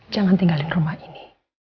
jangan tinggalin rumah ini